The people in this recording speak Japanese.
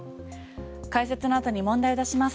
解説のあとに問題を出します。